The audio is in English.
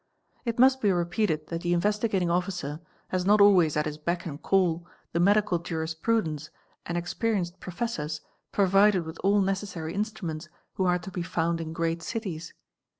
It must be — repeated that the Investigating Officer has not always at his beck and call the medical jurisprudents and experienced professors provided with all necessary instruments who are to be found in great cities.